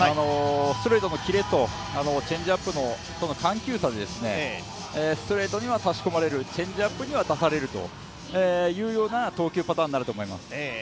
ストレートのキレとチェンジアップの緩急さでストレートには差し込まれる、チェンジアップには刺されるというような投球パターンになると思いますね。